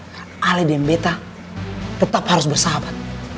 karena ahli dmbetal tetap harus bersahabat